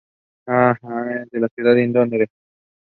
He later played for Distillery.